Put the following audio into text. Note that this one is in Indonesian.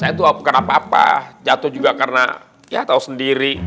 saya tuh kenapa kenapa jatuh juga karena ya tau sendiri